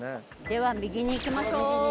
では右に行きましょう！